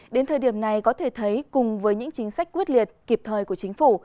đến thời điểm này có thể thấy cùng với những chính sách quyết liệt kịp thời của chính phủ